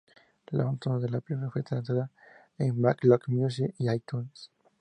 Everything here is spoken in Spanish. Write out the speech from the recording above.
La banda sonora de la película fue lanzada en Back Lot Music y iTunes.